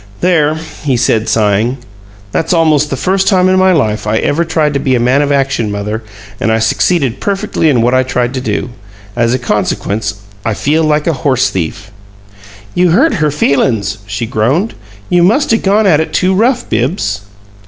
"There," he said, sighing. "That's almost the first time in my life I ever tried to be a man of action, mother, and I succeeded perfectly in what I tried to do. As a consequence I feel like a horse thief!" "You hurt her feelin's," she groaned. "You must 'a' gone at it too rough, Bibbs."